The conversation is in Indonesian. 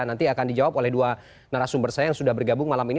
nanti akan dijawab oleh dua narasumber saya yang sudah bergabung malam ini